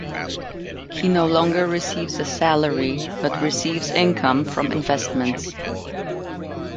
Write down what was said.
He no longer receives a salary, but receives income from investments.